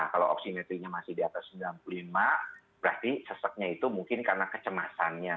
kalau oksimetrinya masih di atas sembilan puluh lima berarti seseknya itu mungkin karena kecemasannya